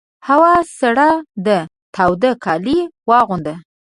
هوا سړه ده تاوده کالي واغونده!